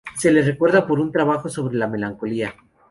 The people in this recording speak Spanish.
Se le recuerda por un trabajo sobre la melancolía.